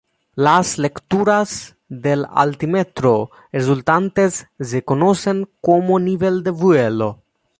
Las lecturas del altímetro resultantes se conocen como nivel de vuelo.